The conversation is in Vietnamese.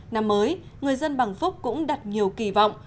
năm mới người dân bằng phúc cũng đặt nhiều kỳ vọng